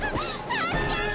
助けて！